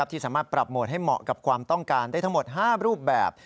ที่สามารถปรับโหมดให้เหมาะกับความต้องการได้ทั้งหมด๕รูปแบบ